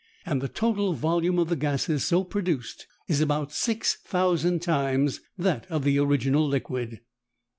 And the total volume of the gases so produced is about 6000 times that of the original liquid.